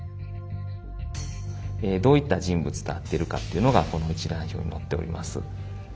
えどういった人物と会ってるかっていうのがこの一覧表に載っております。